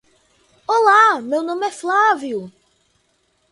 Olá, meu nome é Flavio